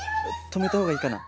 止めた方がいいかな？